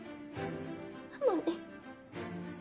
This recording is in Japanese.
なのに。